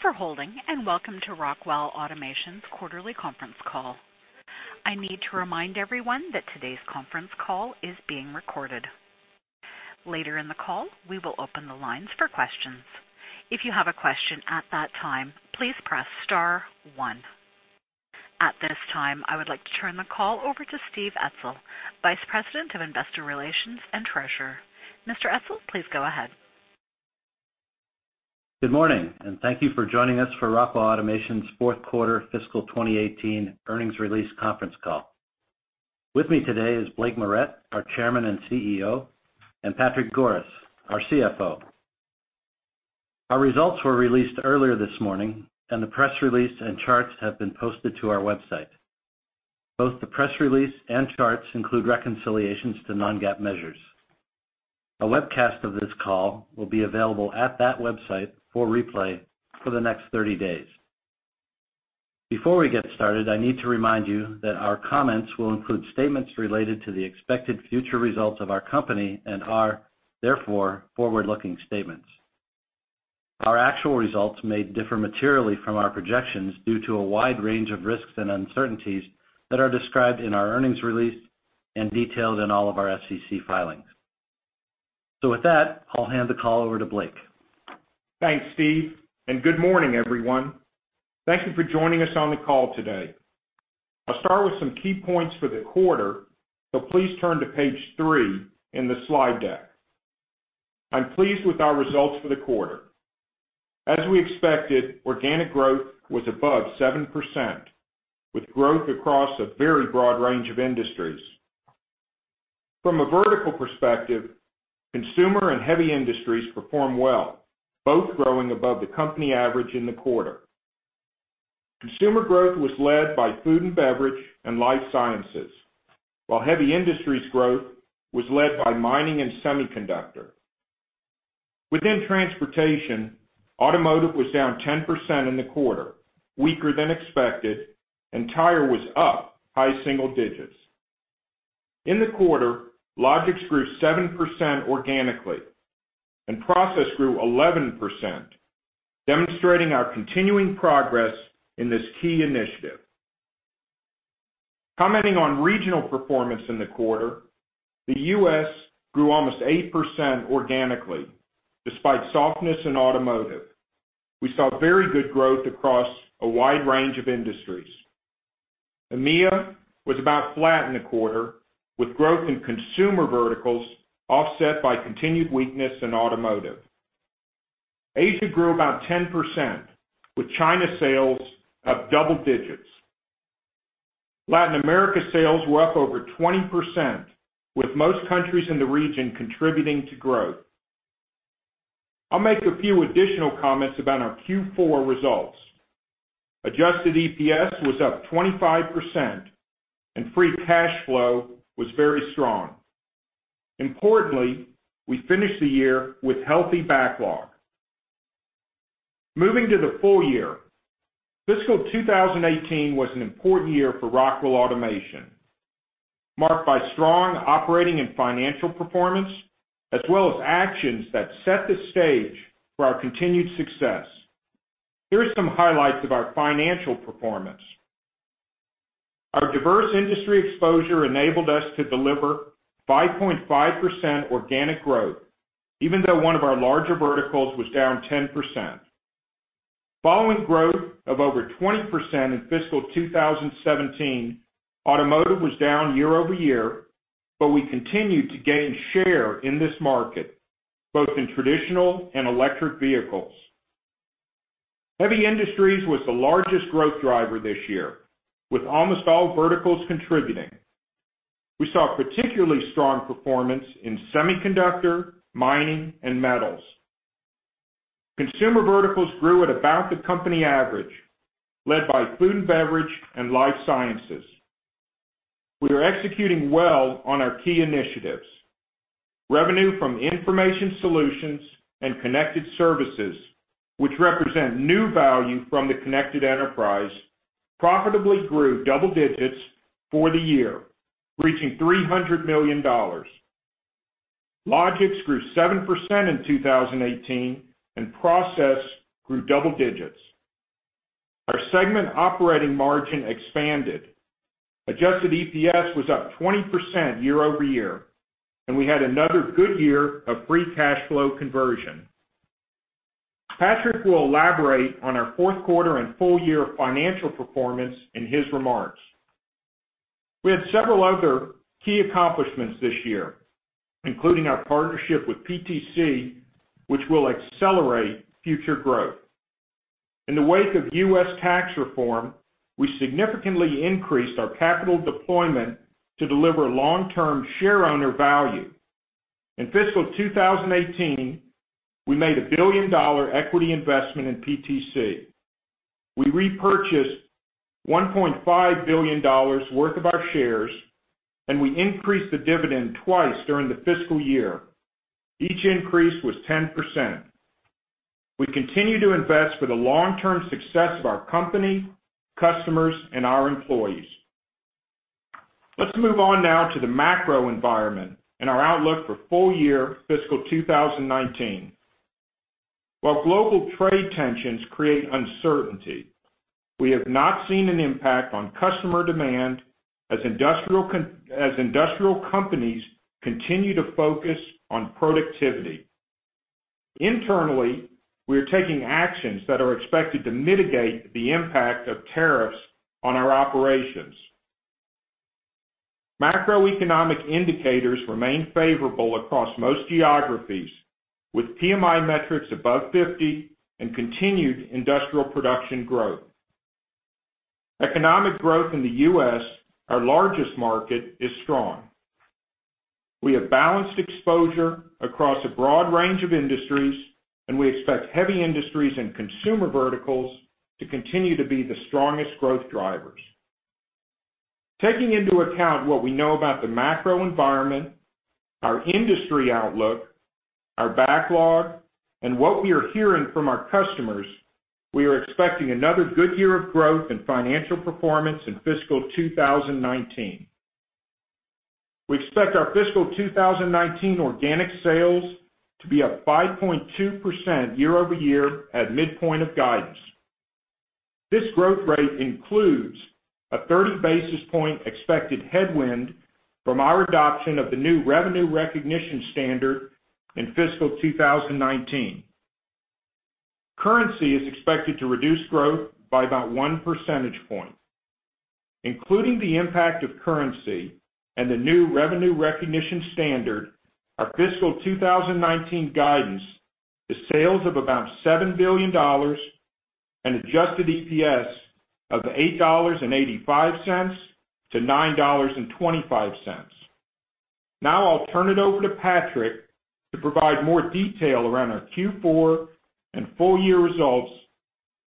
Thank you for holding, and welcome to Rockwell Automation's Quarterly Conference Call. I need to remind everyone that today's conference call is being recorded. Later in the call, we will open the lines for questions. If you have a question at that time, please press star one. At this time, I would like to turn the call over to Steve Etzel, Vice President of Investor Relations and Treasurer. Mr. Etzel, please go ahead. Good morning, and thank you for joining us for Rockwell Automation's fourth quarter fiscal 2018 earnings release conference call. With me today is Blake Moret, our Chairman and CEO, and Patrick Goris, our CFO. Our results were released earlier this morning, and the press release and charts have been posted to our website. Both the press release and charts include reconciliations to non-GAAP measures. A webcast of this call will be available at that website for replay for the next 30 days. Before we get started, I need to remind you that our comments will include statements related to the expected future results of our company and are, therefore, forward-looking statements. Our actual results may differ materially from our projections due to a wide range of risks and uncertainties that are described in our earnings release and detailed in all of our SEC filings. With that, I'll hand the call over to Blake. Thanks, Steve, and good morning, everyone. Thank you for joining us on the call today. I'll start with some key points for the quarter, please turn to page three in the slide deck. I'm pleased with our results for the quarter. As we expected, organic growth was above 7%, with growth across a very broad range of industries. From a vertical perspective, consumer and heavy industries performed well, both growing above the company average in the quarter. Consumer growth was led by food and beverage and life sciences, while heavy industries growth was led by mining and semiconductor. Within transportation, automotive was down 10% in the quarter, weaker than expected, and tire was up high single digits. In the quarter, Logix grew 7% organically, and Process grew 11%, demonstrating our continuing progress in this key initiative. Commenting on regional performance in the quarter, the U.S. grew almost 8% organically, despite softness in automotive. We saw very good growth across a wide range of industries. EMEA was about flat in the quarter, with growth in consumer verticals offset by continued weakness in automotive. Asia grew about 10%, with China sales up double digits. Latin America sales were up over 20%, with most countries in the region contributing to growth. I'll make a few additional comments about our Q4 results. Adjusted EPS was up 25%, and free cash flow was very strong. Importantly, we finished the year with healthy backlog. Moving to the full year, fiscal 2018 was an important year for Rockwell Automation, marked by strong operating and financial performance as well as actions that set the stage for our continued success. Here are some highlights of our financial performance. Our diverse industry exposure enabled us to deliver 5.5% organic growth, even though one of our larger verticals was down 10%. Following growth of over 20% in fiscal 2017, automotive was down year-over-year, but we continued to gain share in this market, both in traditional and electric vehicles. Heavy industries was the largest growth driver this year, with almost all verticals contributing. We saw particularly strong performance in semiconductor, mining, and metals. Consumer verticals grew at about the company average, led by food and beverage and life sciences. We are executing well on our key initiatives. Revenue from information solutions and connected services, which represent new value from The Connected Enterprise, profitably grew double digits for the year, reaching $300 million. Logix grew 7% in 2018, and Process grew double digits. Our segment operating margin expanded. Adjusted EPS was up 20% year-over-year. We had another good year of free cash flow conversion. Patrick will elaborate on our fourth quarter and full year financial performance in his remarks. We had several other key accomplishments this year, including our partnership with PTC, which will accelerate future growth. In the wake of U.S. tax reform, we significantly increased our capital deployment to deliver long-term shareowner value. In fiscal 2018, we made a billion-dollar equity investment in PTC. We repurchased $1.5 billion worth of our shares. We increased the dividend twice during the fiscal year. Each increase was 10%. We continue to invest for the long-term success of our company, customers, and our employees. Let's move on now to the macro environment and our outlook for full year fiscal 2019. While global trade tensions create uncertainty, we have not seen an impact on customer demand as industrial companies continue to focus on productivity. Internally, we are taking actions that are expected to mitigate the impact of tariffs on our operations. Macroeconomic indicators remain favorable across most geographies, with PMI metrics above 50 and continued industrial production growth. Economic growth in the U.S., our largest market, is strong. We have balanced exposure across a broad range of industries. We expect heavy industries and consumer verticals to continue to be the strongest growth drivers. Taking into account what we know about the macro environment, our industry outlook, our backlog, and what we are hearing from our customers, we are expecting another good year of growth and financial performance in fiscal 2019. We expect our fiscal 2019 organic sales to be up 5.2% year-over-year at midpoint of guidance. This growth rate includes a 30 basis point expected headwind from our adoption of the new revenue recognition standard in fiscal 2019. Currency is expected to reduce growth by about one percentage point. Including the impact of currency and the new revenue recognition standard, our fiscal 2019 guidance is sales of about $7 billion and adjusted EPS of $8.85-$9.25. I'll turn it over to Patrick to provide more detail around our Q4 and full year results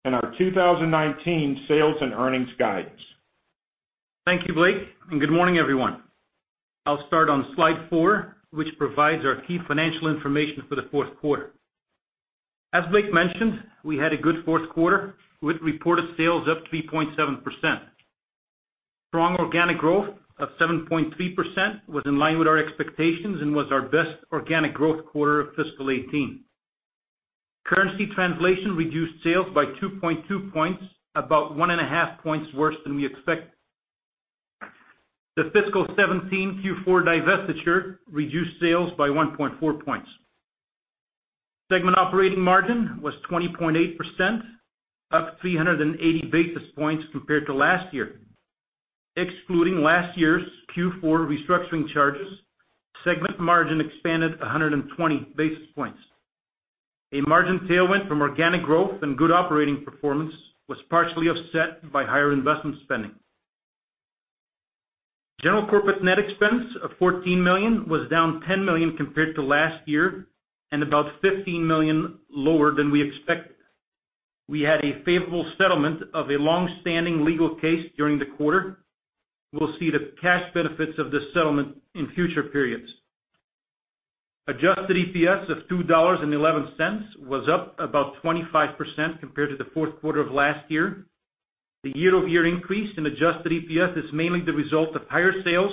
and our 2019 sales and earnings guidance. Thank you, Blake, and good morning, everyone. I'll start on slide four, which provides our key financial information for the fourth quarter. As Blake mentioned, we had a good fourth quarter with reported sales up 3.7%. Strong organic growth of 7.3% was in line with our expectations and was our best organic growth quarter of fiscal 2018. Currency translation reduced sales by 2.2 points, about one and a half points worse than we expected. The fiscal 2017 Q4 divestiture reduced sales by 1.4 points. Segment operating margin was 20.8%, up 380 basis points compared to last year. Excluding last year's Q4 restructuring charges, segment margin expanded 120 basis points. A margin tailwind from organic growth and good operating performance was partially offset by higher investment spending. General corporate net expense of $14 million was down $10 million compared to last year, and about $15 million lower than we expected. We had a favorable settlement of a longstanding legal case during the quarter. We'll see the cash benefits of this settlement in future periods. Adjusted EPS of $2.11 was up about 25% compared to the fourth quarter of last year. The year-over-year increase in adjusted EPS is mainly the result of higher sales,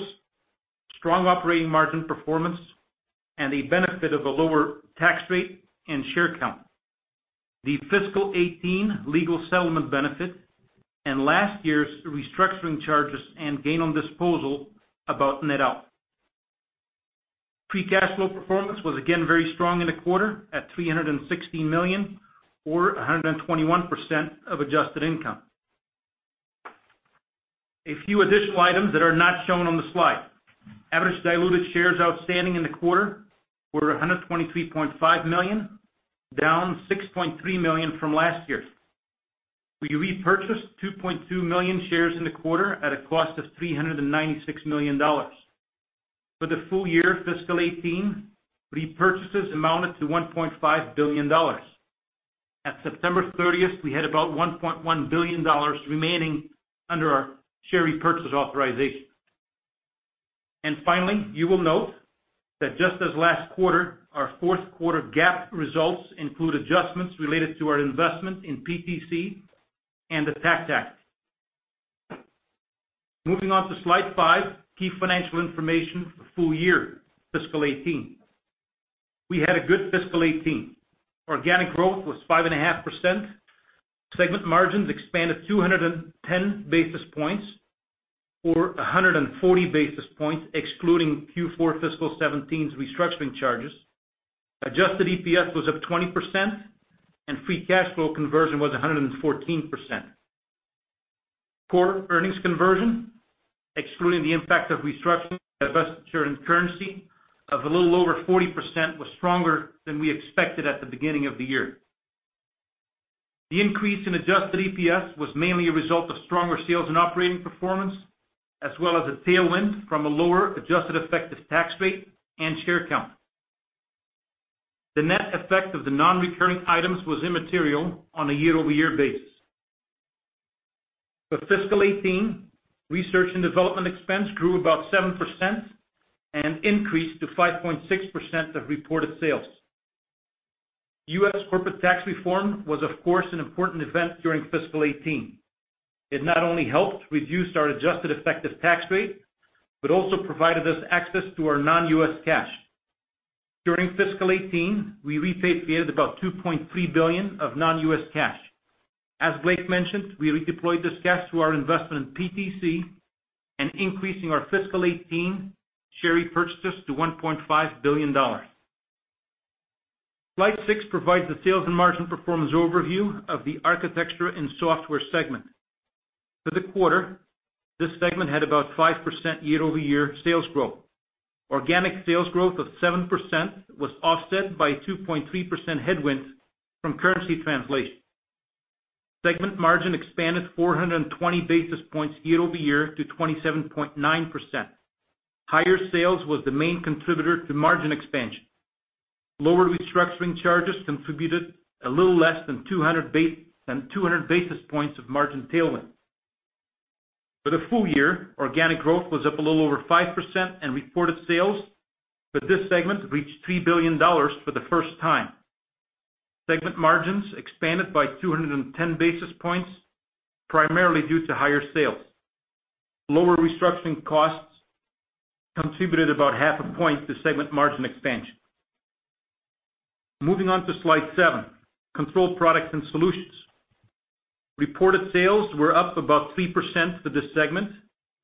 strong operating margin performance, and the benefit of a lower tax rate and share count. The fiscal 2018 legal settlement benefit and last year's restructuring charges and gain on disposal about net out. Free cash flow performance was again very strong in the quarter at $316 million or 121% of adjusted income. A few additional items that are not shown on the slide. Average diluted shares outstanding in the quarter were 123.5 million, down 6.3 million from last year. We repurchased 2.2 million shares in the quarter at a cost of $396 million for the full year fiscal 2018, repurchases amounted to $1.5 billion. At September 30th, we had about $1.1 billion remaining under our share repurchase authorization. Finally, you will note that just as last quarter, our fourth quarter GAAP results include adjustments related to our investment in PTC and the Tax Act. Moving on to slide five, key financial information for full year fiscal 2018. We had a good fiscal 2018. Organic growth was 5.5%. Segment margins expanded 210 basis points, or 140 basis points, excluding Q4 fiscal 2017's restructuring charges. Adjusted EPS was up 20%, and free cash flow conversion was 114%. Core earnings conversion, excluding the impact of restructuring, divestiture, and currency of a little over 40%, was stronger than we expected at the beginning of the year. The increase in adjusted EPS was mainly a result of stronger sales and operating performance, as well as a tailwind from a lower adjusted effective tax rate and share count. The net effect of the non-recurring items was immaterial on a year-over-year basis. For fiscal 2018, research and development expense grew about 7% and increased to 5.6% of reported sales. U.S. corporate tax reform was, of course, an important event during fiscal 2018. It not only helped reduce our adjusted effective tax rate, but also provided us access to our non-U.S. cash. During fiscal 2018, we repatriated about $2.3 billion of non-U.S. cash. As Blake mentioned, we redeployed this cash to our investment in PTC and increasing our fiscal 2018 share repurchases to $1.5 billion. Slide six provides the sales and margin performance overview of the Architecture & Software segment. For the quarter, this segment had about 5% year-over-year sales growth. Organic sales growth of 7% was offset by a 2.3% headwind from currency translation. Segment margin expanded 420 basis points year-over-year to 27.9%. Higher sales was the main contributor to margin expansion. Lower restructuring charges contributed a little less than 200 basis points of margin tailwind. For the full year, organic growth was up a little over 5% in reported sales, but this segment reached $3 billion for the first time. Segment margins expanded by 210 basis points, primarily due to higher sales. Lower restructuring costs contributed about half a point to segment margin expansion. Moving on to slide seven, Control Products & Solutions. Reported sales were up about 3% for this segment.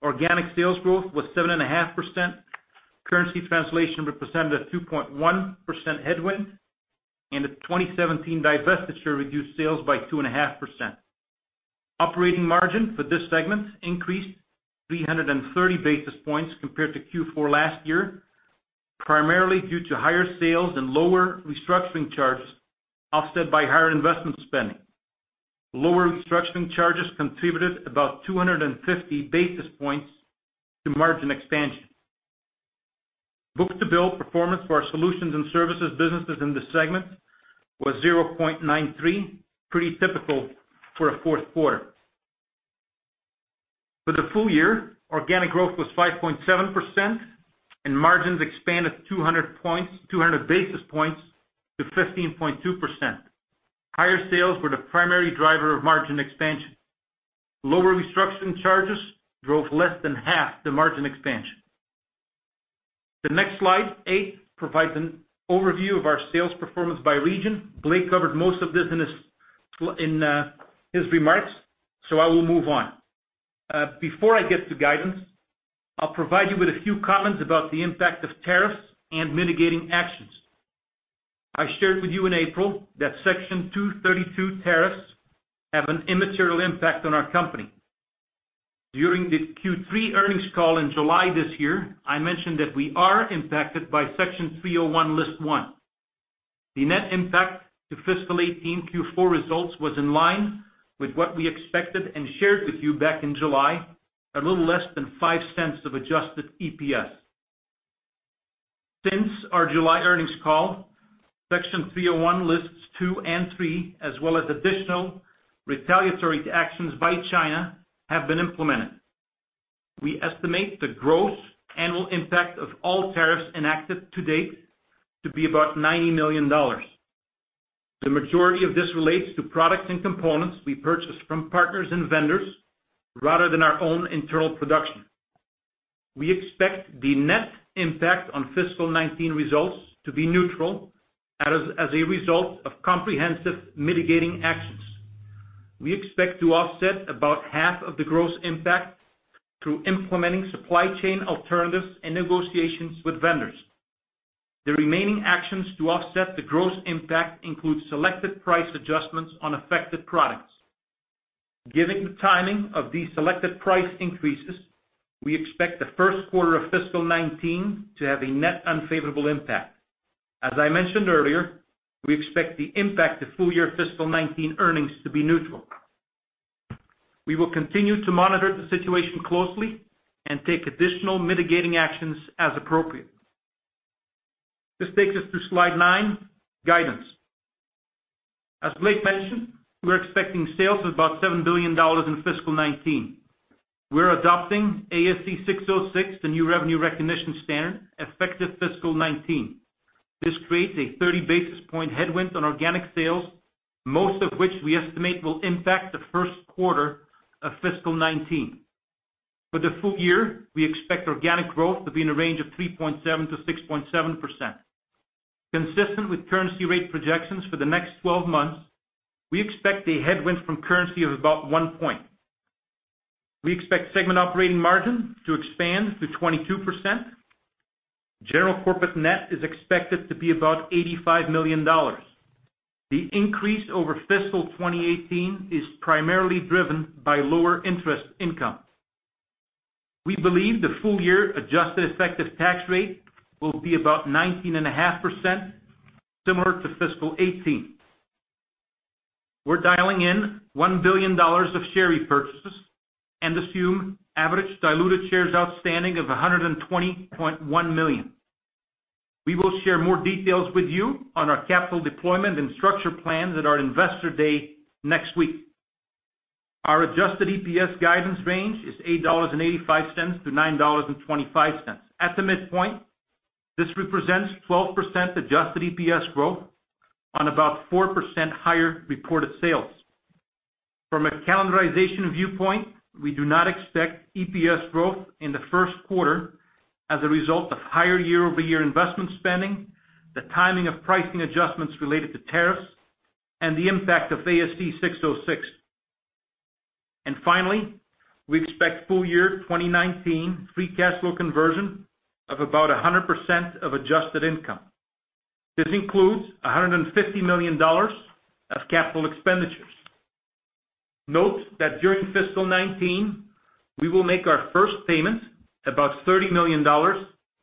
Organic sales growth was 7.5%. Currency translation represented a 2.1% headwind, and a 2017 divestiture reduced sales by 2.5%. Operating margin for this segment increased 330 basis points compared to Q4 last year, primarily due to higher sales and lower restructuring charges, offset by higher investment spending. Lower restructuring charges contributed about 250 basis points to margin expansion. Book-to-bill performance for our solutions and services businesses in this segment was 0.93, pretty typical for a fourth quarter. For the full year, organic growth was 5.7% and margins expanded 200 basis points to 15.2%. Higher sales were the primary driver of margin expansion. Lower restructuring charges drove less than half the margin expansion. The next slide, eight, provides an overview of our sales performance by region. Blake covered most of this in his remarks, so I will move on. Before I get to guidance, I will provide you with a few comments about the impact of tariffs and mitigating actions. I shared with you in April that Section 232 tariffs have an immaterial impact on our company. During the Q3 earnings call in July this year, I mentioned that we are impacted by Section 301 List 1. The net impact to fiscal 2018 Q4 results was in line with what we expected and shared with you back in July, a little less than $0.05 of adjusted EPS. Since our July earnings call, Section 301 Lists 2 and 3, as well as additional retaliatory actions by China, have been implemented. We estimate the gross annual impact of all tariffs enacted to date to be about $90 million. The majority of this relates to products and components we purchase from partners and vendors rather than our own internal production. We expect the net impact on fiscal 2019 results to be neutral, as a result of comprehensive mitigating actions. We expect to offset about half of the gross impact through implementing supply chain alternatives and negotiations with vendors. The remaining actions to offset the gross impact include selected price adjustments on affected products. Given the timing of these selected price increases, we expect the first quarter of fiscal 2019 to have a net unfavorable impact. As I mentioned earlier, we expect the impact to full year fiscal 2019 earnings to be neutral. We will continue to monitor the situation closely and take additional mitigating actions as appropriate. This takes us to slide nine, guidance. As Blake mentioned, we are expecting sales of about $7 billion in fiscal 2019. We are adopting ASC 606, the new revenue recognition standard, effective fiscal 2019. This creates a 30 basis point headwind on organic sales, most of which we estimate will impact the first quarter of fiscal 2019. For the full year, we expect organic growth to be in a range of 3.7%-6.7%. Consistent with currency rate projections for the next 12 months, we expect a headwind from currency of about one point. We expect segment operating margin to expand to 22%. General corporate net is expected to be about $85 million. The increase over fiscal 2018 is primarily driven by lower interest income. We believe the full year adjusted effective tax rate will be about 19.5%, similar to fiscal 2018. We are dialing in $1 billion of share repurchases and assume average diluted shares outstanding of 120.1 million. We will share more details with you on our capital deployment and structure plans at our investor day next week. Our adjusted EPS guidance range is $8.85-$9.25. At the midpoint, this represents 12% adjusted EPS growth on about 4% higher reported sales. From a calendarization viewpoint, we do not expect EPS growth in the first quarter as a result of higher year-over-year investment spending, the timing of pricing adjustments related to tariffs, and the impact of ASC 606. Finally, we expect full year 2019 free cash flow conversion of about 100% of adjusted income. This includes $150 million of capital expenditures. Note that during fiscal 2019, we will make our first payment, about $30 million,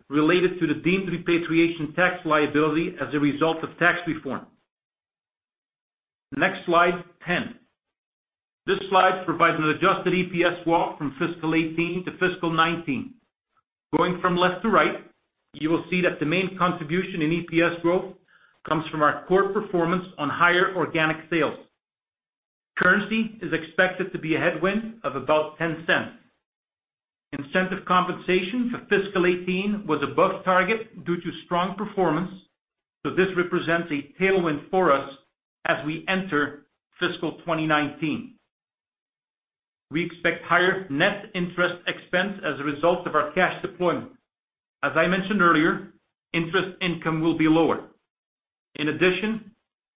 related to the deemed repatriation tax liability as a result of tax reform. Next, slide 10. This slide provides an adjusted EPS walk from fiscal 2018 to fiscal 2019. Going from left to right, you will see that the main contribution in EPS growth comes from our core performance on higher organic sales. Currency is expected to be a headwind of about $0.10. Incentive compensation for fiscal 2018 was above target due to strong performance, this represents a tailwind for us as we enter fiscal 2019. We expect higher net interest expense as a result of our cash deployment. As I mentioned earlier, interest income will be lower. In addition,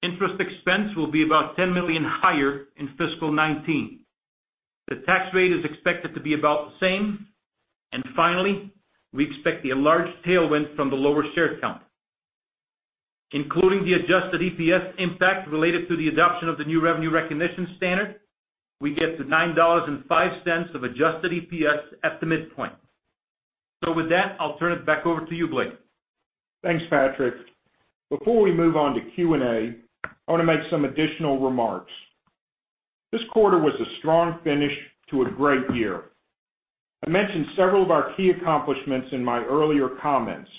interest expense will be about $10 million higher in fiscal 2019. The tax rate is expected to be about the same. Finally, we expect a large tailwind from the lower share count. Including the adjusted EPS impact related to the adoption of the new revenue recognition standard, we get to $9.05 of adjusted EPS at the midpoint. With that, I will turn it back over to you, Blake. Thanks, Patrick. Before we move on to Q&A, I want to make some additional remarks. This quarter was a strong finish to a great year. I mentioned several of our key accomplishments in my earlier comments.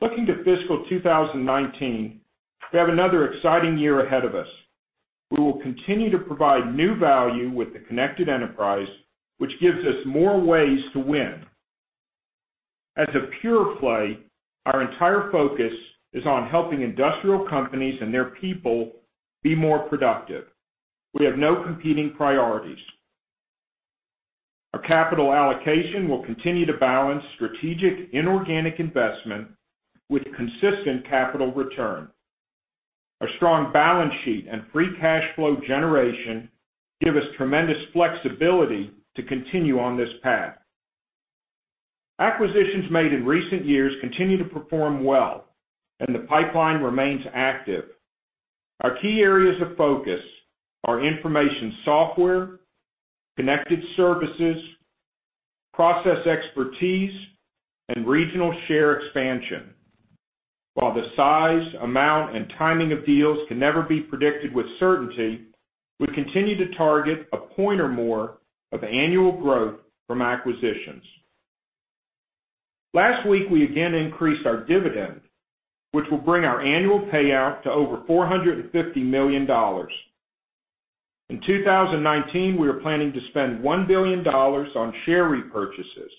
Looking to fiscal 2019, we have another exciting year ahead of us. We will continue to provide new value with The Connected Enterprise, which gives us more ways to win. As a pure play, our entire focus is on helping industrial companies and their people be more productive. We have no competing priorities. Our capital allocation will continue to balance strategic inorganic investment with consistent capital return. Our strong balance sheet and free cash flow generation give us tremendous flexibility to continue on this path. Acquisitions made in recent years continue to perform well, and the pipeline remains active. Our key areas of focus are information software, connected services, process expertise, and regional share expansion. While the size, amount, and timing of deals can never be predicted with certainty, we continue to target a point or more of annual growth from acquisitions. Last week, we again increased our dividend, which will bring our annual payout to over $450 million. In 2019, we are planning to spend $1 billion on share repurchases.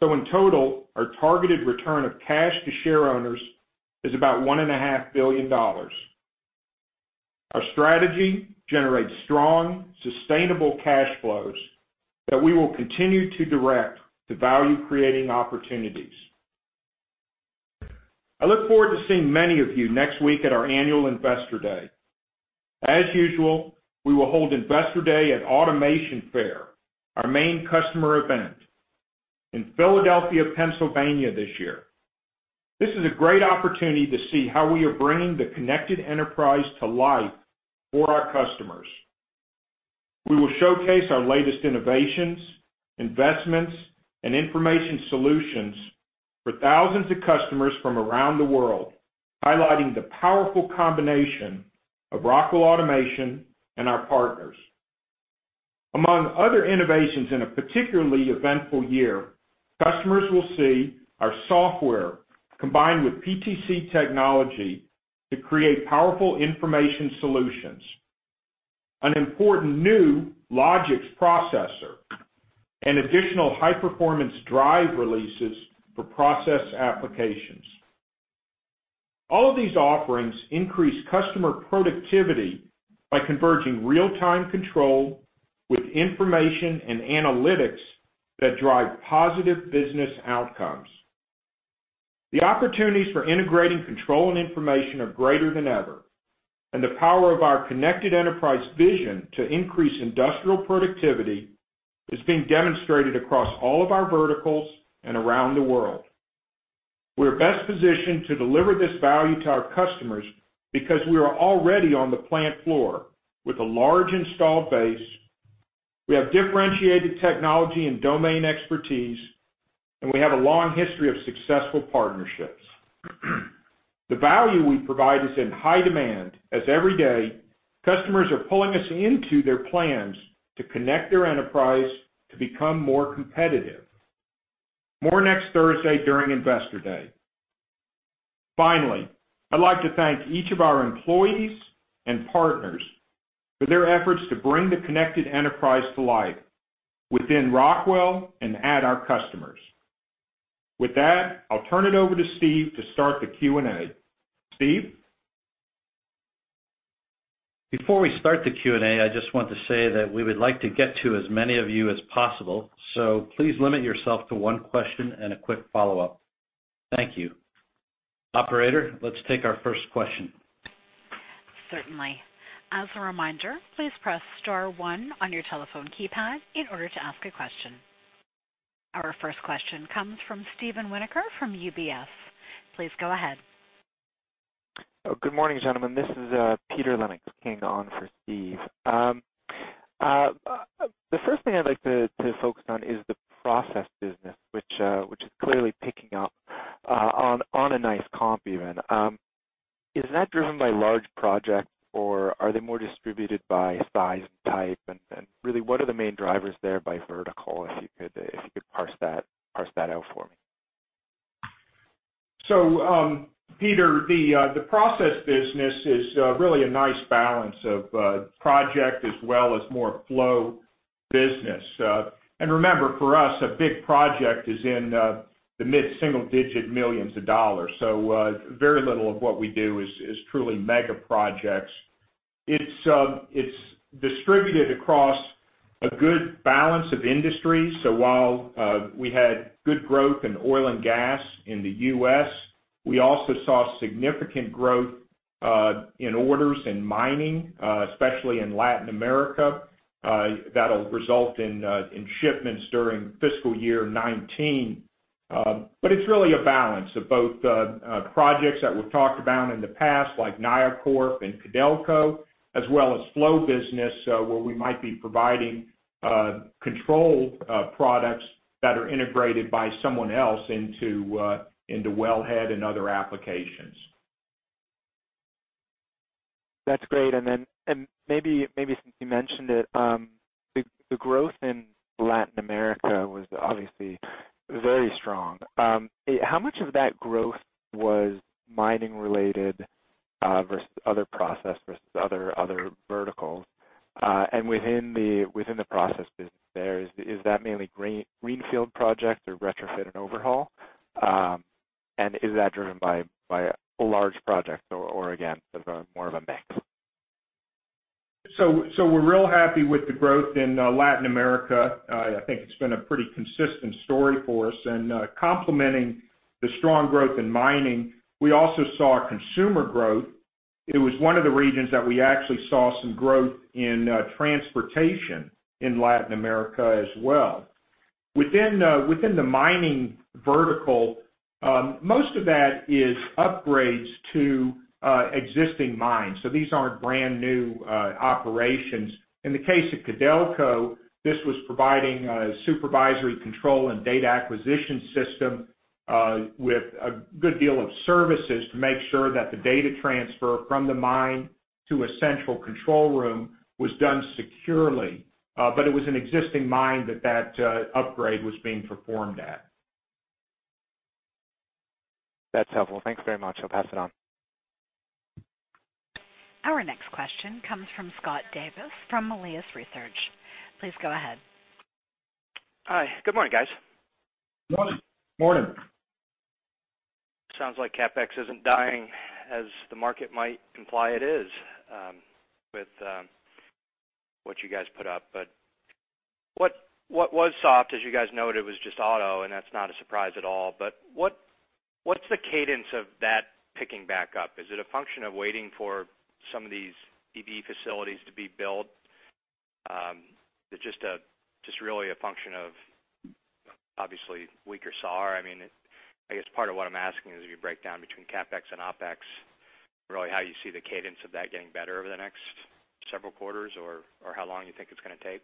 In total, our targeted return of cash to shareowners is about $1.5 billion. Our strategy generates strong, sustainable cash flows that we will continue to direct to value-creating opportunities. I look forward to seeing many of you next week at our annual Investor Day. As usual, we will hold Investor Day at Automation Fair, our main customer event in Philadelphia, Pennsylvania, this year. This is a great opportunity to see how we are bringing The Connected Enterprise to life for our customers. We will showcase our latest innovations, investments, and information solutions for thousands of customers from around the world, highlighting the powerful combination of Rockwell Automation and our partners. Among other innovations in a particularly eventful year, customers will see our software combined with PTC technology to create powerful information solutions, an important new Logix processor, and additional high-performance drive releases for process applications. All of these offerings increase customer productivity by converging real-time control with information and analytics that drive positive business outcomes. The opportunities for integrating control and information are greater than ever, and the power of our Connected Enterprise vision to increase industrial productivity is being demonstrated across all of our verticals and around the world. We're best positioned to deliver this value to our customers because we are already on the plant floor with a large installed base, we have differentiated technology and domain expertise, and we have a long history of successful partnerships. The value we provide is in high demand as every day, customers are pulling us into their plans to connect their enterprise to become more competitive. More next Thursday during Investor Day. Finally, I'd like to thank each of our employees and partners for their efforts to bring The Connected Enterprise to life within Rockwell and at our customers. With that, I'll turn it over to Steve to start the Q&A. Steve? Before we start the Q&A, I just want to say that we would like to get to as many of you as possible, so please limit yourself to one question and a quick follow-up. Thank you. Operator, let's take our first question. Certainly. As a reminder, please press star one on your telephone keypad in order to ask a question. Our first question comes from Steven Winoker from UBS. Please go ahead. Good morning, gentlemen. This is Peter Lennox-King coming on for Steve. The first thing I'd like to focus on is the process business, which is clearly picking up on a nice comp even. Is that driven by large projects, or are they more distributed by size and type? Really, what are the main drivers there by vertical, if you could parse that out for me? Peter, the process business is really a nice balance of project as well as more flow business. Remember, for us, a big project is in the mid-single digit millions of dollars. Very little of what we do is truly mega projects. It's distributed across a good balance of industries. While we had good growth in oil and gas in the U.S., we also saw significant growth in orders in mining, especially in Latin America, that'll result in shipments during fiscal year 2019. It's really a balance of both projects that we've talked about in the past, like NioCorp and Codelco, as well as flow business, where we might be providing control products that are integrated by someone else into wellhead and other applications. That's great. Then maybe since you mentioned it, the growth in Latin America was obviously very strong. How much of that growth was mining related versus other process versus other verticals? Within the process business there, is that mainly greenfield projects or retrofit and overhaul? Is that driven by a large project or again, sort of more of a mix? We're real happy with the growth in Latin America. I think it's been a pretty consistent story for us and complementing the strong growth in mining, we also saw consumer growth. It was one of the regions that we actually saw some growth in transportation in Latin America as well. Within the mining vertical, most of that is upgrades to existing mines. These aren't brand new operations. In the case of Codelco, this was providing a supervisory control and data acquisition system with a good deal of services to make sure that the data transfer from the mine to a central control room was done securely. It was an existing mine that upgrade was being performed at. That's helpful. Thanks very much. I'll pass it on. Our next question comes from Scott Davis from Melius Research. Please go ahead. Hi. Good morning, guys. Morning. Morning. Sounds like CapEx isn't dying as the market might imply it is, with what you guys put up. What was soft, as you guys noted, was just auto. That's not a surprise at all. What's the cadence of that picking back up? Is it a function of waiting for some of these EV facilities to be built? Is it just really a function of obviously weaker SAAR? I guess part of what I'm asking is if you break down between CapEx and OpEx, really how you see the cadence of that getting better over the next several quarters, or how long you think it's going to take?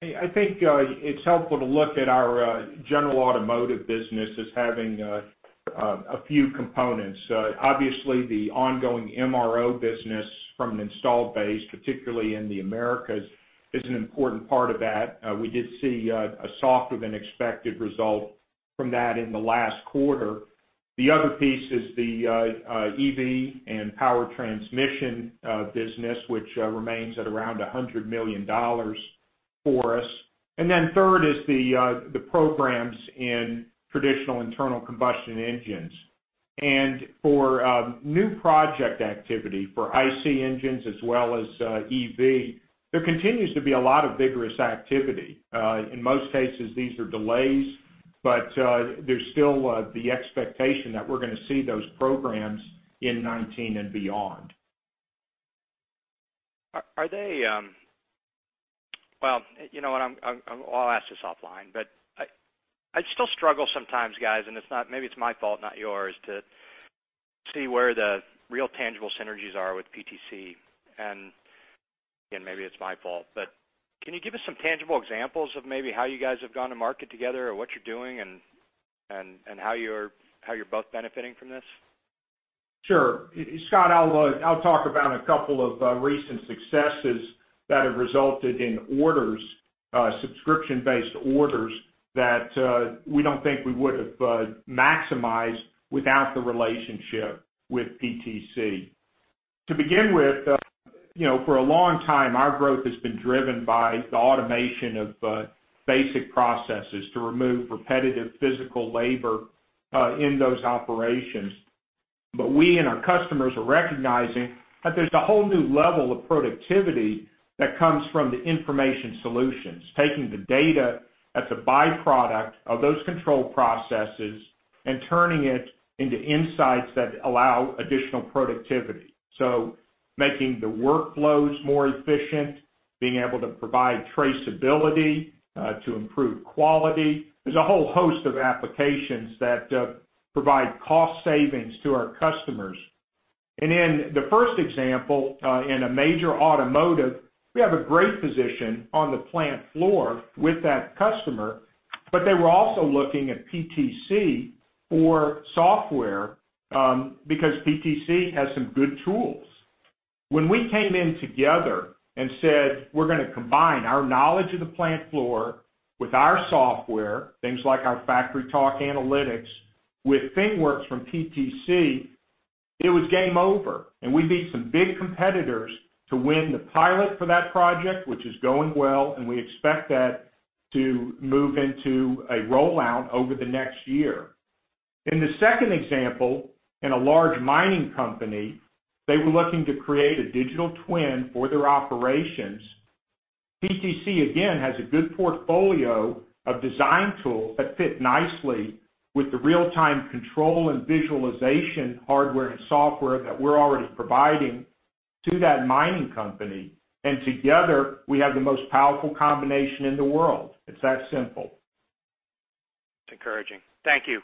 I think it's helpful to look at our general automotive business as having a few components. Obviously, the ongoing MRO business from an installed base, particularly in the Americas, is an important part of that. We did see a softer-than-expected result from that in the last quarter. The other piece is the EV and power transmission business, which remains at around $100 million for us. Then third is the programs in traditional internal combustion engines. For new project activity for IC engines as well as EV, there continues to be a lot of vigorous activity. In most cases, these are delays, but there's still the expectation that we're going to see those programs in 2019 and beyond. Well, you know what, I'll ask this offline. I still struggle sometimes, guys, and maybe it's my fault, not yours, to see where the real tangible synergies are with PTC. Again, maybe it's my fault, but can you give us some tangible examples of maybe how you guys have gone to market together or what you're doing and how you're both benefiting from this? Sure. Scott, I will talk about a couple of recent successes that have resulted in subscription-based orders that we do not think we would have maximized without the relationship with PTC. To begin with, for a long time, our growth has been driven by the automation of basic processes to remove repetitive physical labor in those operations. We and our customers are recognizing that there is a whole new level of productivity that comes from the information solutions, taking the data as a byproduct of those control processes and turning it into insights that allow additional productivity. Making the workflows more efficient, being able to provide traceability to improve quality. There is a whole host of applications that provide cost savings to our customers. In the first example, in a major automotive, we have a great position on the plant floor with that customer, but they were also looking at PTC for software, because PTC has some good tools. When we came in together and said we are going to combine our knowledge of the plant floor with our software, things like our FactoryTalk Analytics with ThingWorx from PTC, it was game over, and we beat some big competitors to win the pilot for that project, which is going well, and we expect that to move into a rollout over the next year. In the second example, in a large mining company, they were looking to create a digital twin for their operations. PTC, again, has a good portfolio of design tools that fit nicely with the real-time control and visualization hardware and software that we are already providing to that mining company. Together, we have the most powerful combination in the world. It is that simple. It is encouraging. Thank you.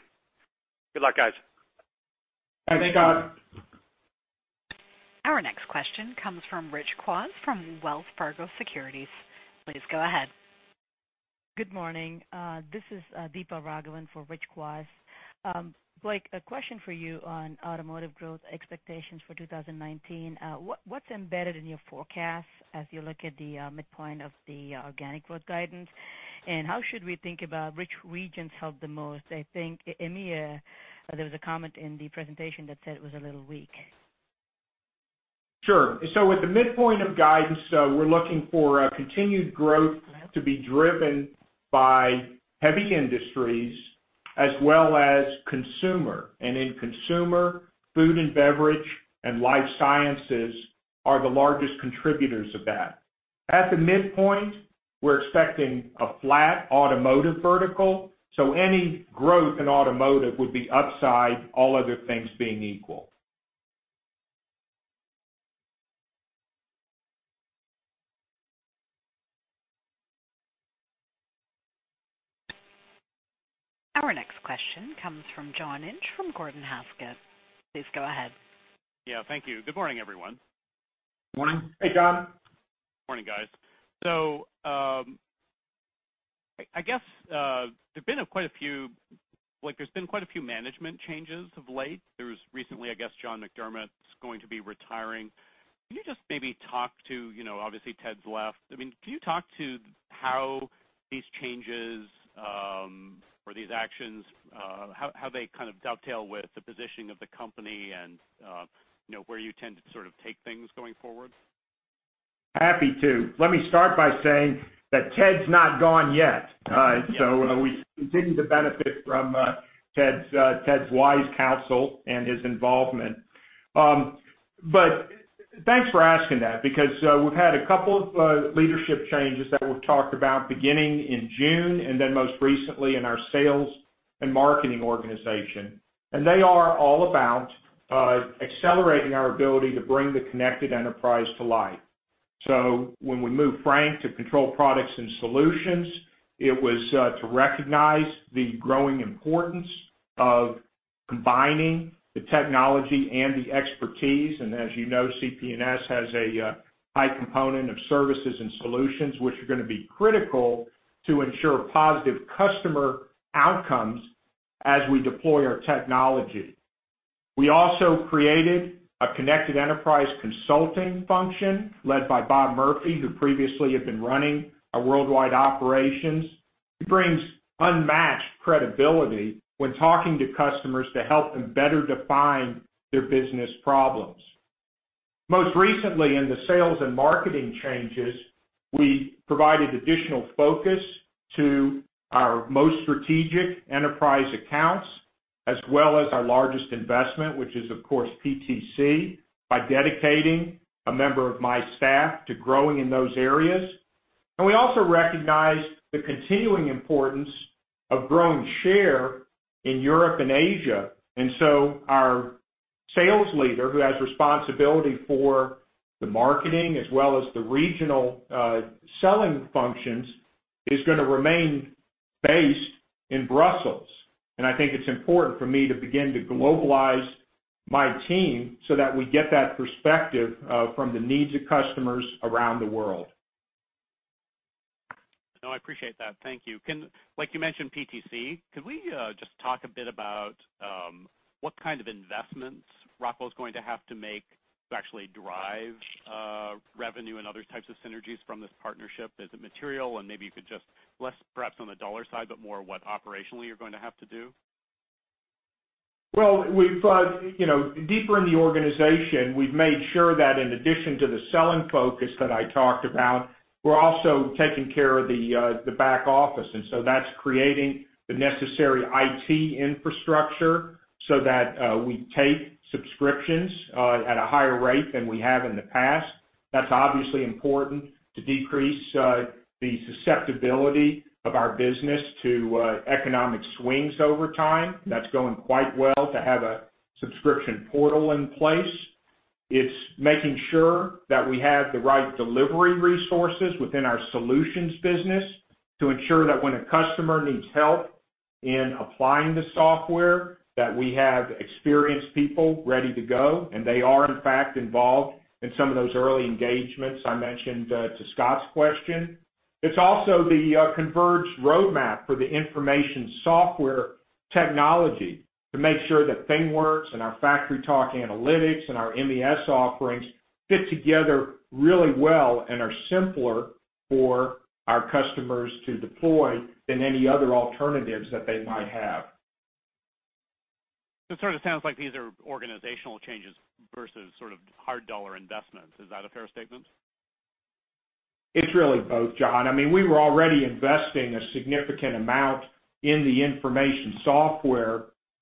Good luck, guys. Thanks, Scott. Our next question comes from Rich Kwas from Wells Fargo Securities. Please go ahead. Good morning. This is Deepa Raghavan for Rich Kwas. Blake, a question for you on automotive growth expectations for 2019. What's embedded in your forecast as you look at the midpoint of the organic growth guidance, and how should we think about which regions helped the most? I think EMEA, there was a comment in the presentation that said it was a little weak. Sure. At the midpoint of guidance, we're looking for a continued growth to be driven by heavy industries as well as consumer. In consumer, food and beverage, and life sciences are the largest contributors of that. At the midpoint, we're expecting a flat automotive vertical, so any growth in automotive would be upside, all other things being equal. Our next question comes from John Inch from Gordon Haskett. Please go ahead. Yeah, thank you. Good morning, everyone. Morning. Hey, John. Morning, guys. I guess there's been quite a few management changes of late. There was recently, I guess John McDermott's going to be retiring. Obviously, Ted's left. Can you talk to how these changes, or these actions, how they kind of dovetail with the positioning of the company and where you tend to sort of take things going forward? Happy to. Let me start by saying that Ted is not gone yet. We continue to benefit from Ted's wise counsel and his involvement. Thanks for asking that, because we've had a couple of leadership changes that we've talked about, beginning in June, and then most recently in our sales and marketing organization. They are all about accelerating our ability to bring The Connected Enterprise to life. When we moved Frank to Control Products & Solutions, it was to recognize the growing importance of combining the technology and the expertise. As you know, CP&S has a high component of services and solutions, which are going to be critical to ensure positive customer outcomes as we deploy our technology. We also created a Connected Enterprise Consulting function led by Bob Murphy, who previously had been running our worldwide operations. He brings unmatched credibility when talking to customers to help them better define their business problems. Most recently in the sales and marketing changes, we provided additional focus to our most strategic enterprise accounts, as well as our largest investment, which is, of course, PTC, by dedicating a member of my staff to growing in those areas. We also recognized the continuing importance of growing share in Europe and Asia. Our sales leader, who has responsibility for the marketing as well as the regional selling functions, is going to remain based in Brussels. I think it's important for me to begin to globalize my team so that we get that perspective from the needs of customers around the world. No, I appreciate that. Thank you. You mentioned PTC. Could we just talk a bit about what kind of investments Rockwell's going to have to make to actually drive revenue and other types of synergies from this partnership? Is it material? Maybe you could just, less perhaps on the dollar side, but more what operationally you're going to have to do. Well, deeper in the organization, we've made sure that in addition to the selling focus that I talked about, we're also taking care of the back office. That's creating the necessary IT infrastructure so that we take subscriptions at a higher rate than we have in the past. That's obviously important to decrease the susceptibility of our business to economic swings over time. That's going quite well to have a subscription portal in place. It's making sure that we have the right delivery resources within our solutions business to ensure that when a customer needs help in applying the software, that we have experienced people ready to go, and they are, in fact, involved in some of those early engagements I mentioned to Scott's question. It's also the converged roadmap for the information software technology to make sure that ThingWorx and our FactoryTalk Analytics and our MES offerings fit together really well and are simpler for our customers to deploy than any other alternatives that they might have. It sort of sounds like these are organizational changes versus sort of hard dollar investments. Is that a fair statement? It's really both, John. We were already investing a significant amount in the information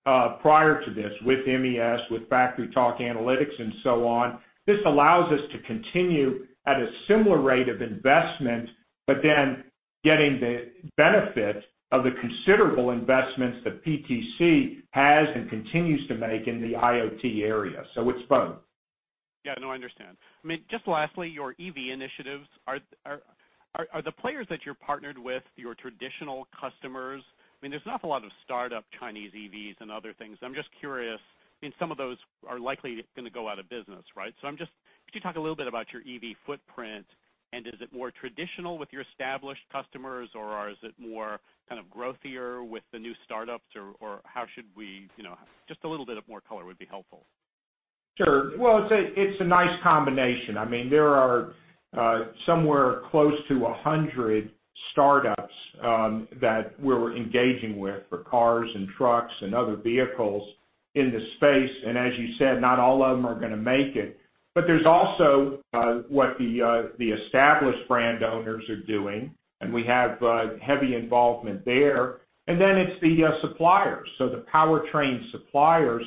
software prior to this with MES, with FactoryTalk Analytics and so on. This allows us to continue at a similar rate of investment, getting the benefit of the considerable investments that PTC has and continues to make in the IoT area. It's both. I understand. Just lastly, your EV initiatives. Are the players that you're partnered with your traditional customers? There's an awful lot of startup Chinese EVs and other things. I'm just curious, some of those are likely going to go out of business, right? Could you talk a little bit about your EV footprint, and is it more traditional with your established customers, or is it more kind of growthier with the new startups, or how should we just a little bit of more color would be helpful. Sure. Well, it's a nice combination. There are somewhere close to 100 startups that we're engaging with for cars and trucks and other vehicles in the space. As you said, not all of them are going to make it. There's also what the established brand owners are doing, and we have heavy involvement there. Then it's the suppliers. The powertrain suppliers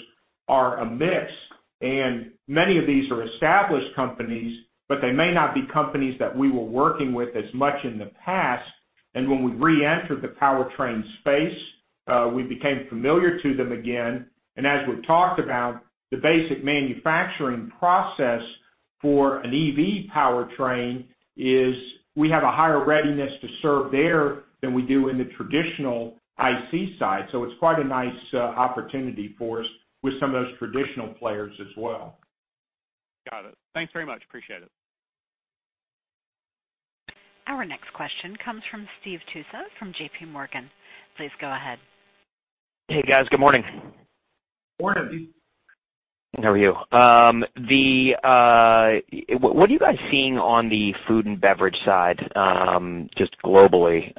are a mix, and many of these are established companies, but they may not be companies that we were working with as much in the past. When we reentered the powertrain space, we became familiar to them again. As we've talked about, the basic manufacturing process for an EV powertrain is we have a higher readiness to serve there than we do in the traditional IC side. It's quite a nice opportunity for us with some of those traditional players as well. Got it. Thanks very much. Appreciate it. Our next question comes from Steve Tusa from JPMorgan. Please go ahead. Hey, guys. Good morning. Morning, Steve. How are you? What are you guys seeing on the food and beverage side, just globally?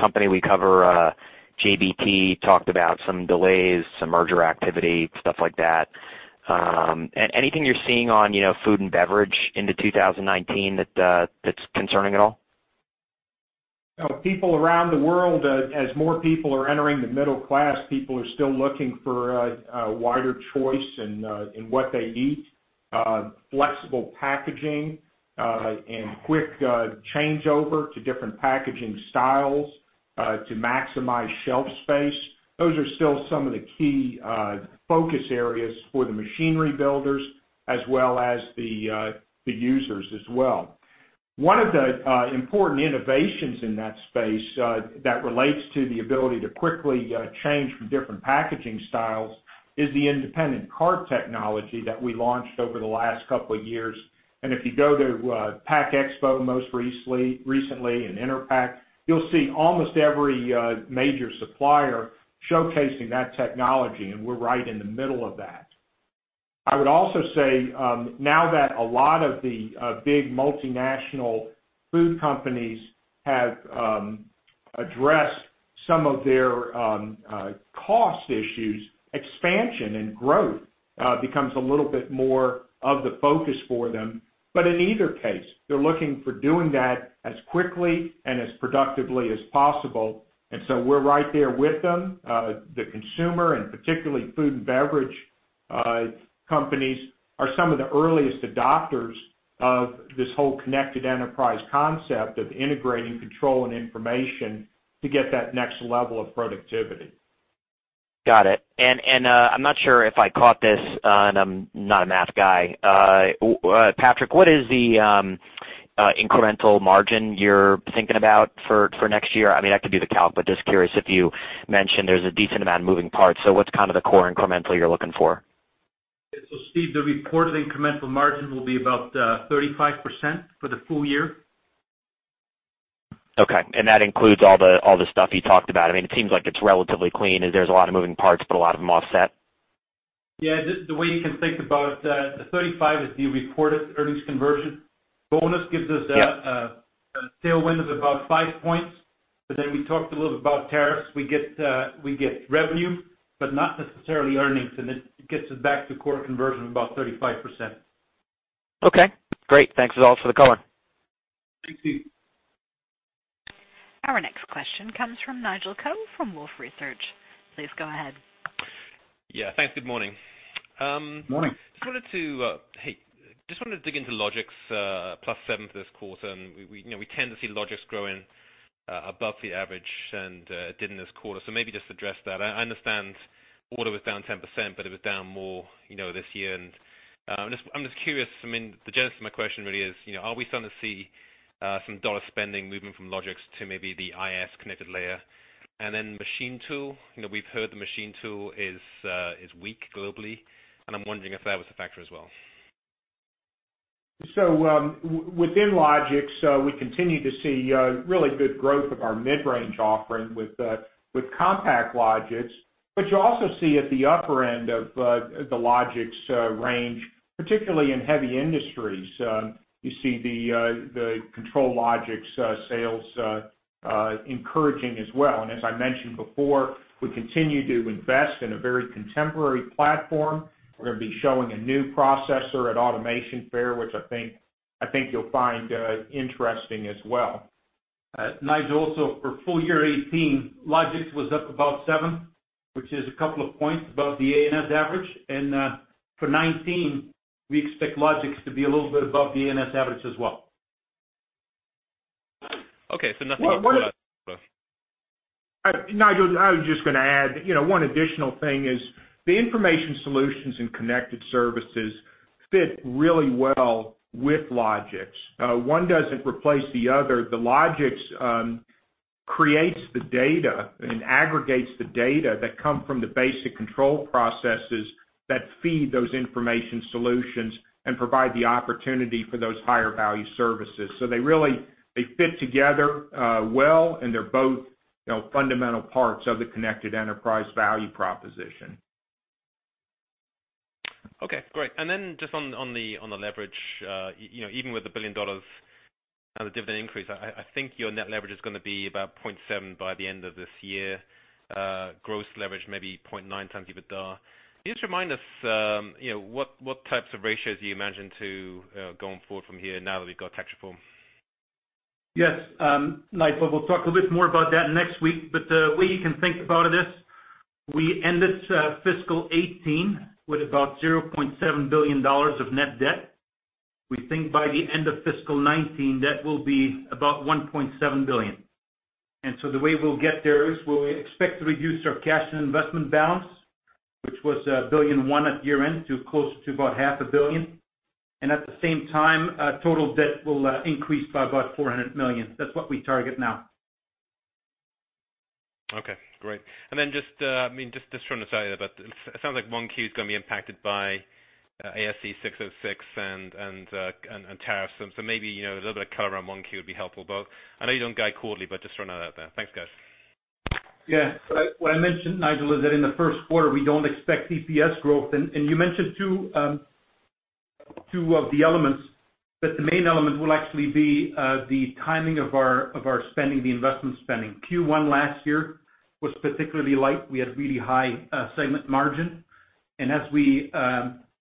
Company we cover, JBT, talked about some delays, some merger activity, stuff like that. Anything you're seeing on food and beverage into 2019 that's concerning at all? People around the world, as more people are entering the middle class, people are still looking for a wider choice in what they eat, flexible packaging, and quick changeover to different packaging styles to maximize shelf space. Those are still some of the key focus areas for the machinery builders as well as the users as well. One of the important innovations in that space that relates to the ability to quickly change from different packaging styles is the independent cart technology that we launched over the last couple of years. If you go to PACK EXPO, most recently in interpack, you'll see almost every major supplier showcasing that technology, and we're right in the middle of that. I would also say, now that a lot of the big multinational food companies have addressed some of their cost issues, expansion and growth becomes a little bit more of the focus for them. In either case, they're looking for doing that as quickly and as productively as possible. We're right there with them. The consumer, and particularly food and beverage companies, are some of the earliest adopters of this whole The Connected Enterprise concept of integrating control and information to get that next level of productivity. Got it. I'm not sure if I caught this, and I'm not a math guy. Patrick, what is the incremental margin you're thinking about for next year? That could be the calc, but just curious if you mentioned there's a decent amount of moving parts. What's kind of the core incremental you're looking for? Steve, the reported incremental margin will be about 35% for the full year. Okay, and that includes all the stuff you talked about. It seems like it's relatively clean, as there's a lot of moving parts, but a lot of them offset. Yeah. The way you can think about the 35% is the reported earnings conversion. Yeah a tailwind of about five points. We talked a little about tariffs. We get revenue, but not necessarily earnings, and it gets us back to core conversion of about 35%. Okay, great. Thanks to you all for the color. Thanks, Steve. Our next question comes from Nigel Coe from Wolfe Research. Please go ahead. Yeah, thanks. Good morning. Morning. Just wanted to dig into Logix, +7% for this quarter. We tend to see Logix growing above the average, it did in this quarter. Maybe just address that. I understand order was down 10%, it was down more this year. I'm just curious, the genesis of my question really is, are we starting to see some dollar spending moving from Logix to maybe the IS connected layer? Then machine tool. We've heard the machine tool is weak globally, I'm wondering if that was a factor as well. Within Logix, we continue to see really good growth of our mid-range offering with CompactLogix. You also see at the upper end of the Logix range, particularly in heavy industries, you see the ControlLogix sales encouraging as well. As I mentioned before, we continue to invest in a very contemporary platform. We're going to be showing a new processor at Automation Fair, which I think you'll find interesting as well. Nigel, for full year 2018, Logix was up about 7%, which is a couple of points above the A&S average. For 2019, we expect Logix to be a little bit above the A&S average as well. Okay, nothing Nigel, I was just going to add, one additional thing is the information solutions and connected services fit really well with Logix. One doesn't replace the other. The Logix creates the data and aggregates the data that come from the basic control processes that feed those information solutions and provide the opportunity for those higher value services. They really fit together well, and they're both fundamental parts of The Connected Enterprise value proposition. Okay. Great. Just on the leverage, even with the $1 billion and the dividend increase, I think your net leverage is going to be about 0.7 by the end of this year. Gross leverage may be 0.9x EBITDA. Can you just remind us what types of ratios you imagine going forward from here now that we've got tax reform? Yes, Nigel. We'll talk a little bit more about that next week. The way you can think about it is, we ended fiscal 2018 with about $0.7 billion of net debt. We think by the end of fiscal 2019, that will be about $1.7 billion. The way we'll get there is, we'll expect to reduce our cash and investment balance, which was $1.1 billion at year-end, to close to about half a billion. At the same time, total debt will increase by about $400 million. That's what we target now. Okay, great. Just trying to tell you about, it sounds like 1Q is going to be impacted by ASC 606 and tariffs. Maybe, a little bit of color around 1Q would be helpful. I know you don't guide quarterly, but just throwing that out there. Thanks, guys. Yeah. What I mentioned, Nigel, is that in the first quarter, we don't expect EPS growth. You mentioned two of the elements, the main element will actually be the timing of our spending, the investment spending. Q1 last year was particularly light. We had really high segment margin. As we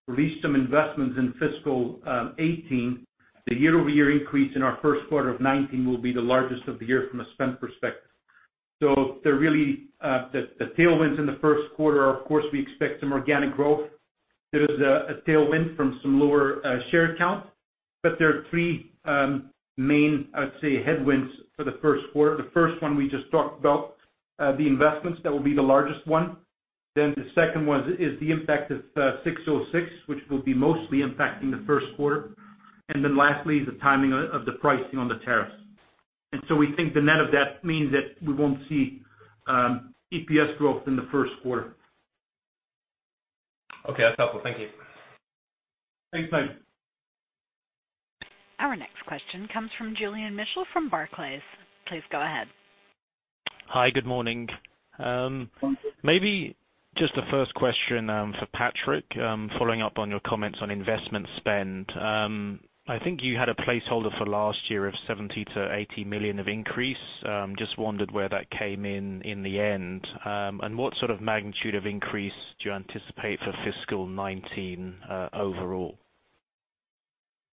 released some investments in fiscal 2018, the year-over-year increase in our first quarter of 2019 will be the largest of the year from a spend perspective. The tailwinds in the first quarter, of course, we expect some organic growth. There is a tailwind from some lower share count, there are three main, I would say, headwinds for the first quarter. The first one we just talked about, the investments, that will be the largest one. The second one is the impact of 606, which will be mostly impacting the first quarter. Lastly is the timing of the pricing on the tariffs. We think the net of that means that we won't see EPS growth in the first quarter. Okay, that's helpful. Thank you. Thanks, Nigel. Our next question comes from Julian Mitchell from Barclays. Please go ahead. Hi, good morning. Morning. Maybe just the first question for Patrick, following up on your comments on investment spend. I think you had a placeholder for last year of $70 million-$80 million of increase. Just wondered where that came in the end. What sort of magnitude of increase do you anticipate for fiscal 2019, overall?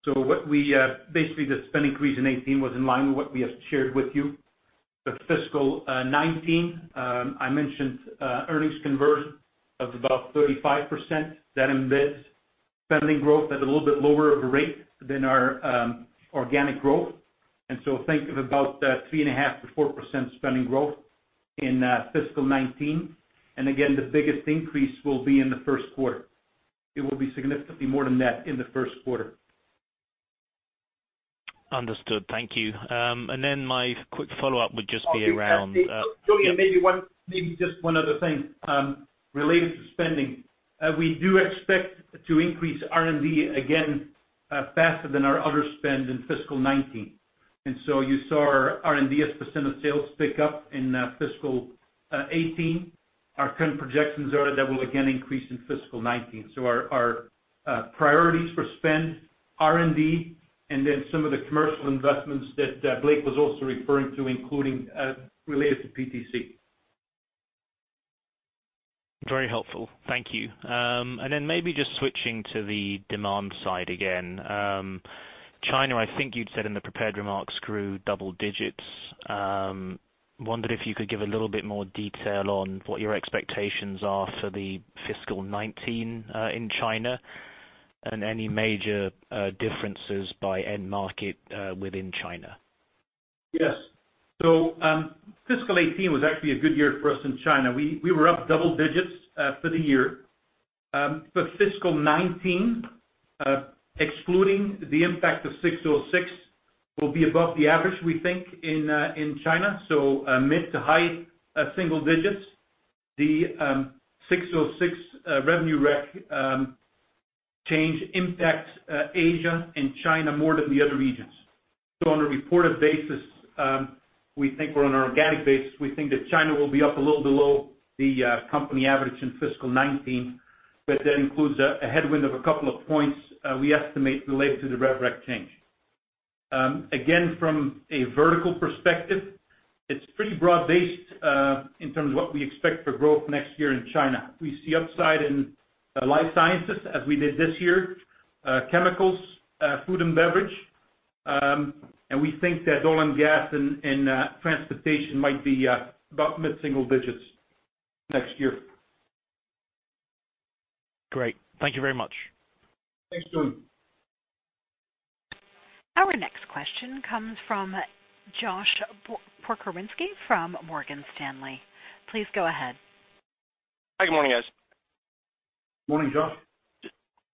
Basically, the spending increase in 2018 was in line with what we have shared with you. Fiscal 2019, I mentioned earnings conversion of about 35%. That embeds spending growth at a little bit lower of a rate than our organic growth. Think of about 3.5%-4% spending growth in fiscal 2019. Again, the biggest increase will be in the first quarter. It will be significantly more than that in the first quarter. Understood. Thank you. My quick follow-up would just be around- Maybe just one other thing related to spending. We do expect to increase R&D again faster than our other spend in fiscal 2019. You saw our R&D as percent of sales pick up in fiscal 2018. Our current projections are that will again increase in fiscal 2019. Our priorities for spend, R&D, and then some of the commercial investments that Blake was also referring to, including related to PTC. Very helpful. Thank you. Maybe just switching to the demand side again. China, I think you'd said in the prepared remarks, grew double digits. Wondered if you could give a little bit more detail on what your expectations are for the fiscal 2019 in China and any major differences by end market within China. Yes. FY 2018 was actually a good year for us in China. We were up double-digits for the year. For FY 2019, excluding the impact of ASC 606, will be above the average, we think, in China. Mid-to-high single digits. The ASC 606 revenue change impacts Asia and China more than the other regions. On a reported basis, we think we are on our organic basis. We think that China will be up a little below the company average in FY 2019, but that includes a headwind of a couple of points we estimate related to the rev rec change. Again, from a vertical perspective, it is pretty broad-based in terms of what we expect for growth next year in China. We see upside in the life sciences as we did this year, chemicals, food and beverage, and we think that oil and gas and transportation might be about mid-single digits next year. Great. Thank you very much. Thanks, Julian. Our next question comes from Josh Pokrzywinski from Morgan Stanley. Please go ahead. Hi, good morning, guys. Morning, Josh.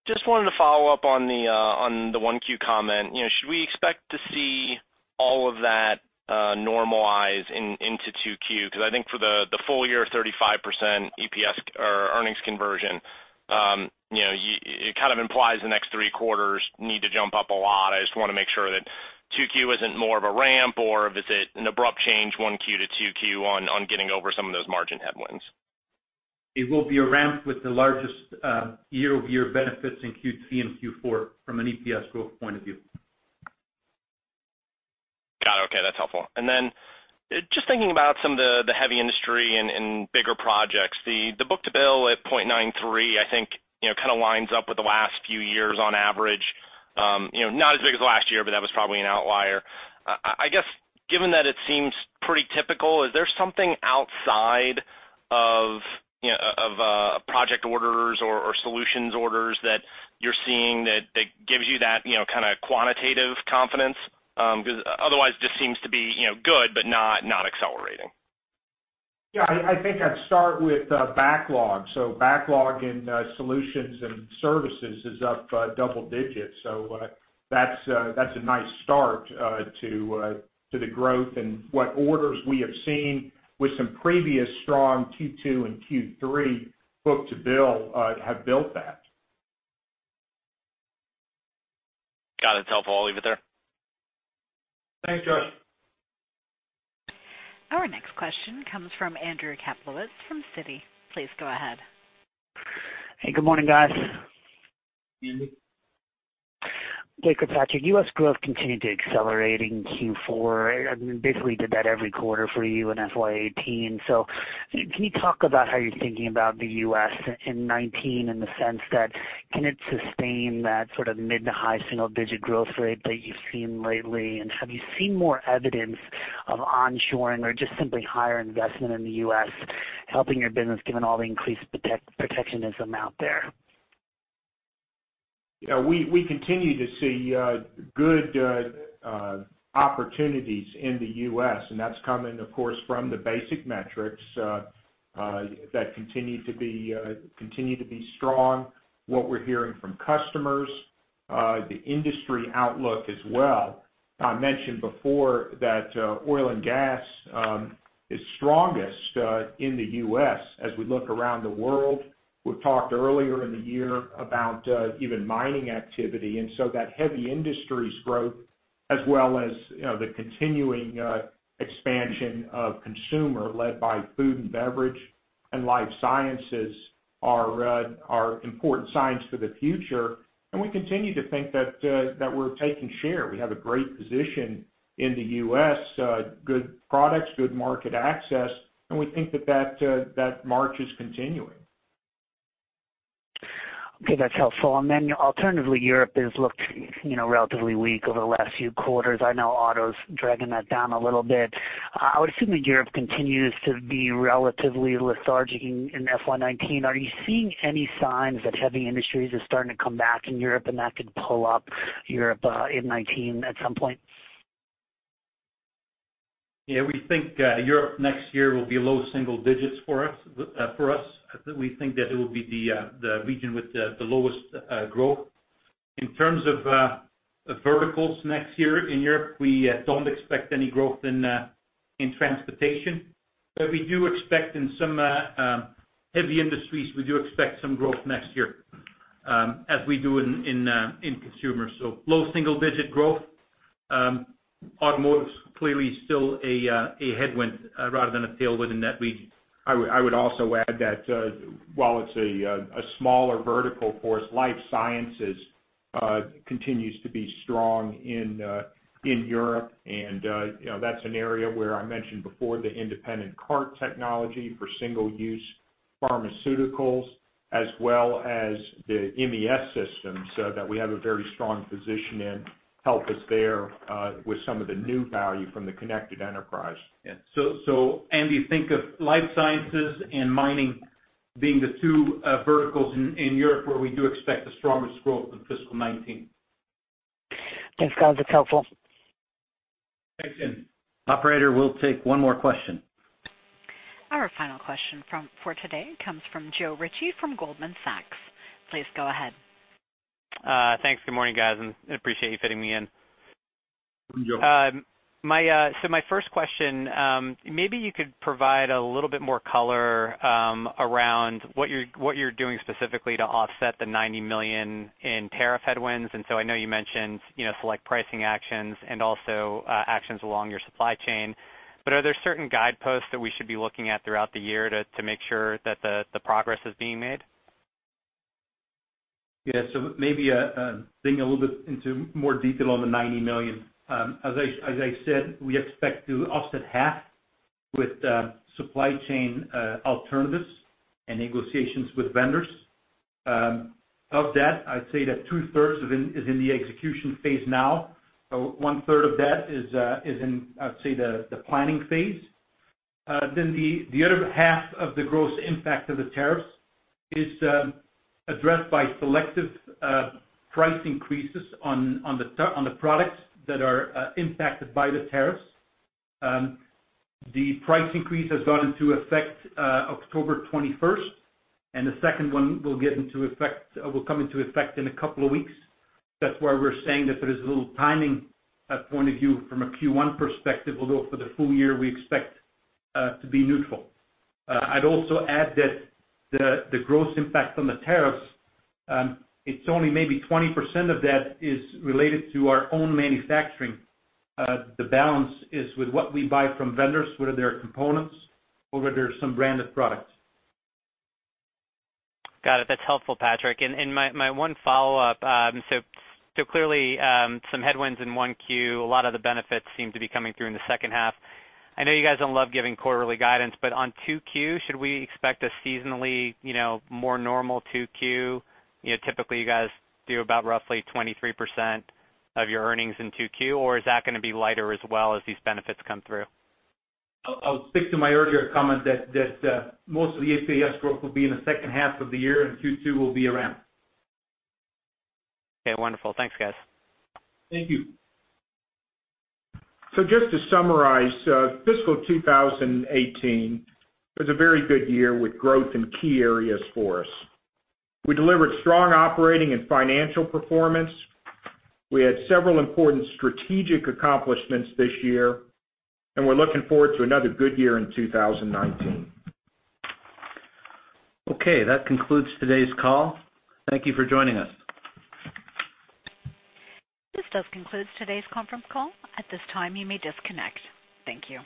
Just wanted to follow up on the 1Q comment. Should we expect to see all of that normalize into 2Q? I think for the full year 35% EPS or earnings conversion, it kind of implies the next three quarters need to jump up a lot. I just want to make sure that 2Q isn't more of a ramp, or is it an abrupt change 1Q to 2Q on getting over some of those margin headwinds? It will be a ramp with the largest year-over-year benefits in Q3 and Q4 from an EPS growth point of view. Got it. Okay, that's helpful. Just thinking about some of the heavy industry and bigger projects, the book-to-bill at 0.93, I think kind of lines up with the last few years on average. Not as big as last year, but that was probably an outlier. I guess given that it seems pretty typical, is there something outside of project orders or solutions orders that you're seeing that gives you that kind of quantitative confidence? Otherwise, just seems to be good, but not accelerating. Yeah, I think I'd start with backlog. Backlog in solutions and services is up double digits. That's a nice start to the growth and what orders we have seen with some previous strong Q2 and Q3 book-to-bill have built that. Got it. It's helpful. I'll leave it there. Thanks, Josh. Our next question comes from Andrew Kaplowitz from Citi. Please go ahead. Hey, good morning, guys. Andy. Blake or Patrick, U.S. growth continued to accelerate in Q4. Basically did that every quarter for you in FY 2018. Can you talk about how you're thinking about the U.S. in 2019 in the sense that can it sustain that sort of mid to high single digit growth rate that you've seen lately? And have you seen more evidence of onshoring or just simply higher investment in the U.S. helping your business given all the increased protectionism out there? We continue to see good opportunities in the U.S., that's coming, of course, from the basic metrics that continue to be strong. What we're hearing from customers, the industry outlook as well. I mentioned before that oil and gas is strongest in the U.S. as we look around the world. We've talked earlier in the year about even mining activity, that heavy industries growth as well as the continuing expansion of consumer led by food and beverage and life sciences are important signs for the future. We continue to think that we're taking share. We have a great position in the U.S., good products, good market access, we think that march is continuing. Okay, that's helpful. Alternatively, Europe has looked relatively weak over the last few quarters. I know auto's dragging that down a little bit. I would assume that Europe continues to be relatively lethargic in FY 2019. Are you seeing any signs that heavy industries are starting to come back in Europe and that could pull up Europe in 2019 at some point? We think Europe next year will be low single digits for us. We think that it will be the region with the lowest growth. In terms of verticals next year in Europe, we don't expect any growth in transportation. We do expect in some heavy industries, we do expect some growth next year, as we do in consumer. Low single-digit growth. Automotive's clearly still a headwind rather than a tailwind, in that. I would also add that while it's a smaller vertical for us, life sciences continues to be strong in Europe. That's an area where I mentioned before, the independent cart technology for single-use pharmaceuticals, as well as the MES systems that we have a very strong position in, help us there with some of the new value from The Connected Enterprise. Yeah. Andy, think of life sciences and mining being the two verticals in Europe where we do expect the strongest growth in fiscal 2019. Thanks, guys. That's helpful. Thanks, Andy. Operator, we'll take one more question. Our final question for today comes from Joe Ritchie from Goldman Sachs. Please go ahead. Thanks. Good morning, guys, and appreciate you fitting me in. Good morning, Joe. My first question, maybe you could provide a little bit more color around what you're doing specifically to offset the $90 million in tariff headwinds. I know you mentioned select pricing actions and also actions along your supply chain. Are there certain guideposts that we should be looking at throughout the year to make sure that the progress is being made? Yeah. Maybe digging a little bit into more detail on the $90 million. As I said, we expect to offset half with supply chain alternatives and negotiations with vendors. Of that, I'd say that two-thirds is in the execution phase now. One-third of that is in, I would say, the planning phase. The other half of the gross impact of the tariffs is addressed by selective price increases on the products that are impacted by the tariffs. The price increase has gone into effect October 21st, and the second one will come into effect in a couple of weeks. That's why we're saying that there is a little timing point of view from a Q1 perspective, although for the full year, we expect to be neutral. I'd also add that the gross impact from the tariffs, it's only maybe 20% of that is related to our own manufacturing. The balance is with what we buy from vendors, whether they're components or whether they're some branded products. Got it. That's helpful, Patrick. My one follow-up, clearly, some headwinds in one Q, a lot of the benefits seem to be coming through in the second half. I know you guys don't love giving quarterly guidance, but on 2Q, should we expect a seasonally more normal 2Q? Typically, you guys do about roughly 23% of your earnings in 2Q, or is that going to be lighter as well as these benefits come through? I'll stick to my earlier comment that most of the EPS growth will be in the second half of the year. Q2 will be around. Okay, wonderful. Thanks, guys. Thank you. Just to summarize, fiscal 2018 was a very good year with growth in key areas for us. We delivered strong operating and financial performance. We had several important strategic accomplishments this year. We're looking forward to another good year in 2019. Okay. That concludes today's call. Thank you for joining us. This does conclude today's conference call. At this time, you may disconnect. Thank you.